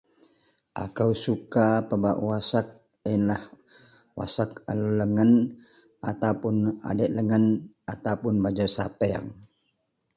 Akou suka pebak wak asek yenlah, wak asek alou lengen ataupun adiek lengen ataupun bajou sapeang.